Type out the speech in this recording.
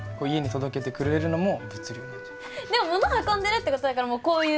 でもものを運んでるっていうことだからもうこういう。